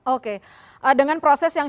oke dengan proses yang